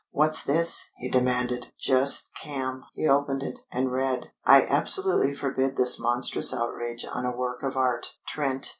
"What's this?" he demanded. "Just cam." He opened it, and read: "I absolutely forbid this monstrous outrage on a work of art. Trent."